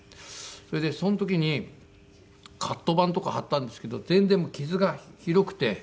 それでその時にカットバンとか貼ったんですけど全然傷がひどくて。